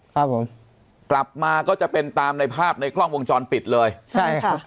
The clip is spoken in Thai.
ครับผมกลับมาก็จะเป็นตามในภาพในกล้องวงจรปิดเลยใช่ค่ะ